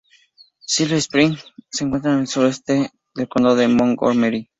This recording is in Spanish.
Silver Spring se encuentra en el sureste del condado de Montgomery.